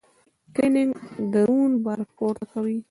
کرینګ درون بار پورته کوي.